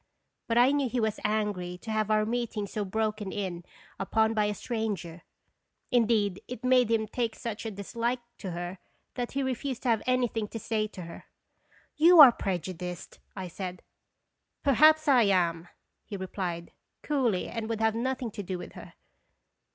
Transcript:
But I knew he was angry to have our meeting so broken in upon by a stranger. Indeed, it made him take such a dislike to her that he refused to have anything to say to her. " You are prejudiced," 1 said. "Perhaps 1 am," he replied, coolly, and would have nothing to do with her.